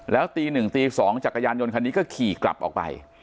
แล้วตี๑ตี๒จักรยานยนต์คันนี้ก็ขี่กลับออกไป